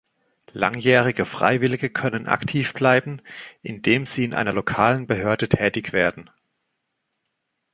Langjährige Freiwillige können aktiv bleiben, indem sie in einer lokalen Behörde tätig werden.